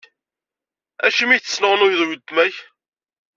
Acimi i tesnuɣnuyeḍ weltma-k?